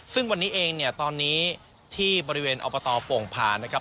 ซึ่งวันนี้เองเนี่ยตอนนี้ที่บริเวณอบตโป่งผ่านนะครับ